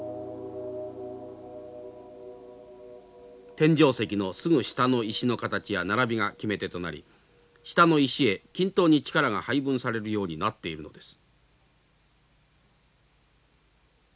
天井石のすぐ下の石の形や並びが決め手となり下の石へ均等に力が配分されるようになっているのです。